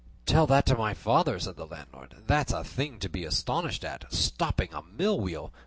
"Tell that to my father," said the landlord. "There's a thing to be astonished at! Stopping a mill wheel!